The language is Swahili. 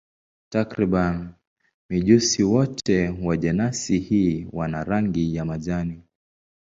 Takriban mijusi wote wa jenasi hii wana rangi ya majani.